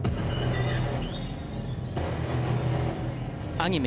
アニメ